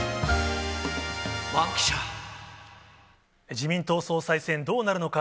自民党総裁選、どうなるのか。